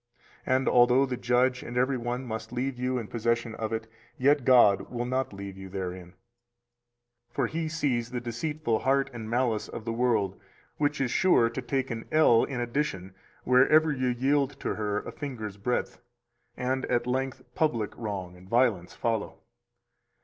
308 And although the judge and every one must leave you in possession of it, yet God will not leave you therein: for He sees the deceitful heart and the malice of the world, which is sure to take an ell in addition where ever you yield to her a finger's breadth, and at length public wrong and violence follow.